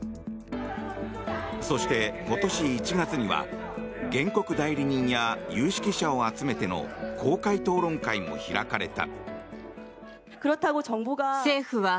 そして、今年１月には原告代理人や有識者を集めての公開討論会も開かれた。